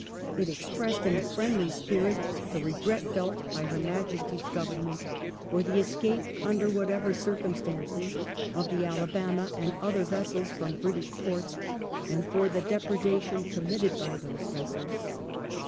It ex ^^s^^"& pressed '*in a friendly spirit the regret felt by Her Majesty's Government for the escape, under whatever circumstances, of the Alabama and other vessels from British ports, and for the depre dation committed by those vessels.